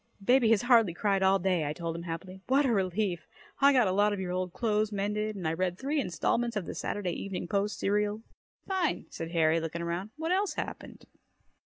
"Baby has hardly cried all day!" I told him happily. "What a relief! I got a lot of your old clothes mended and I read three installments of the Saturday Evening Post serial." "Fine!" said Harry, looking around. "What else happened?"